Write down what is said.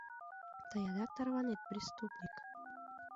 — Тый адак тарванет, преступник?